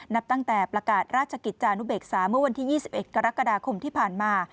นับตั้งแต่ประกาศราชกิจจานุเบกษาเมื่อวันที่๒๑กรกฎาคมที่ผ่านมา